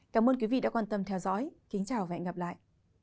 cảm ơn quý vị đã quan tâm theo dõi kính chào và hẹn gặp lại